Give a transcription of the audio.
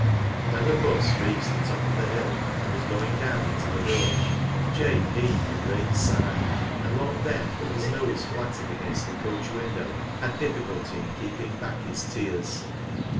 When the 'bus reached the top of the hill, and was going down into the village, Jabe heaved a great sigh, and Long Ben, with his nose flattened against the coach window, had difficulty in keeping back his tears.